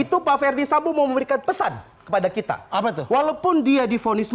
itu pak verdi sambo mau memberikan pesan kepada kita apa tuh walaupun dia dikirimkan ke rumahnya